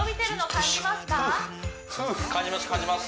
感じます感じます